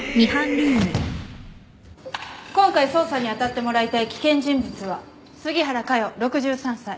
今回捜査に当たってもらいたい危険人物は杉原佳代６３歳。